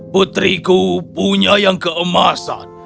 putriku punya yang keemasan